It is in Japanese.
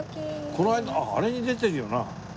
この間あれに出てるよな。